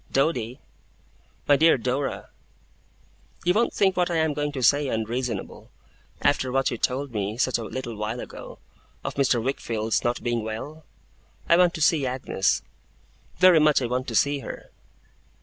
'Doady!' 'My dear Dora!' 'You won't think what I am going to say, unreasonable, after what you told me, such a little while ago, of Mr. Wickfield's not being well? I want to see Agnes. Very much I want to see her.